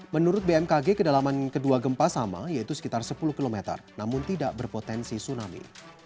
menurut bmkg kedalaman kedua gempa sama yaitu sekitar sepuluh km namun tidak berpotensi tsunami